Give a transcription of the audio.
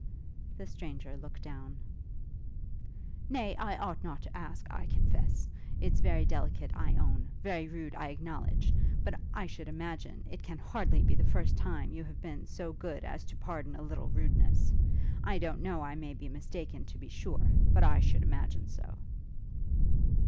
The stranger looked down. 'Nay, I ought not to ask, I confess. It's very indelicate, I own; very rude, I acknowledge; but, I should imagine, it can hardly be the first time that you have been so good as to pardon a little rudeness. I don't know, I may be mistaken, to be sure, but I should imagine so.'